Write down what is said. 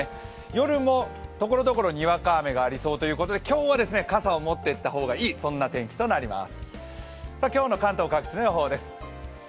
夜も、ところどころにわか雨がありそうということで、今日は傘を持っていった方がいい、そんな天気となります。